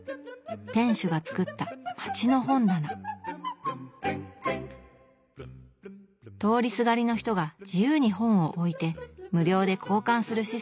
店主が作った通りすがりの人が自由に本を置いて無料で交換するシステム。